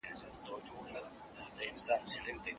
علمي څېړنه تل په حقایقو باندې ولاړه وي.